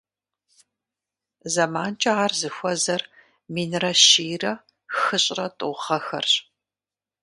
ЗэманкӀэ ар зыхуэзэр минрэ щийрэ хыщӀрэ тӀу гъэхэрщ.